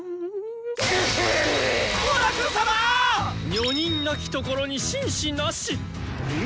女人なきところに紳士なし。